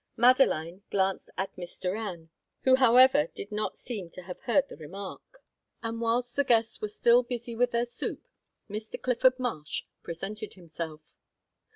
Madeline glanced at Miss Doran, who, however, did not seem to have heard the remark. And, whilst the guests were still busy with their soup, Mr. Clifford Marsh presented himself.